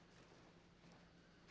gak ada apa apa